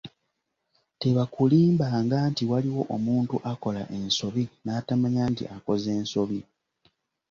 Tebakulimbanga nti waliwo omuntu akola ensobi n’atamanya nti akoze nsobi.